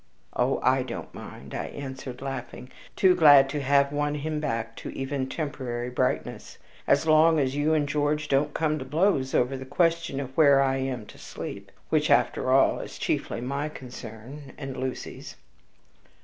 "Oh, I don't mind," I answered, laughing, too glad to have won him back to even temporary brightness, "as long as you and George don't come to blows over the question of where I am to sleep; which after all is chiefly my concern, and Lucy's."